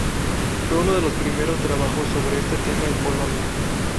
Fue uno de los primeros trabajos sobre este tema en Polonia.